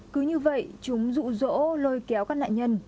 cứ như vậy chúng rụ rỗ lôi kéo các nạn nhân